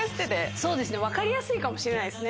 そうですね分かりやすいかもしれないですね。